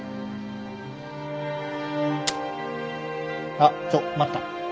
あっちょ待った。